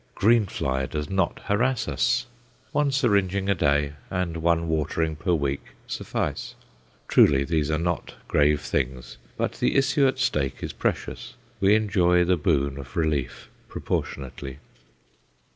Green fly does not harass us. One syringing a day, and one watering per week suffice. Truly these are not grave things, but the issue at stake is precious: we enjoy the boon of relief proportionately.